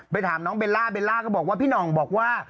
ถามน้องเบลล่าเบลล่าก็บอกว่าพี่หน่องบอกว่า